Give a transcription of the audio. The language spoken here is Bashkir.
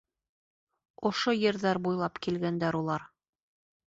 Ошо ерҙәр буйлап килгәндәр улар.